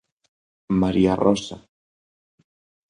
María Rosa.